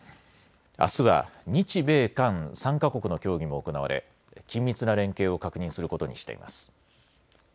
あすは日米韓３か国の協議も行われ緊密な連携を確認することにしています。